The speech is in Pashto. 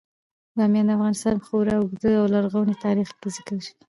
بامیان د افغانستان په خورا اوږده او لرغوني تاریخ کې ذکر دی.